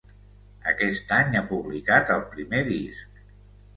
Aquest any ha publicat el primer disc